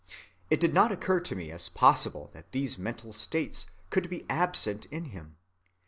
It did not occur to me as possible that these mental states could be absent in him.